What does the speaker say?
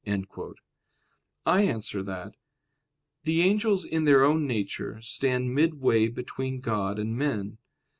I answer that, The angels in their own nature stand midway between God and men.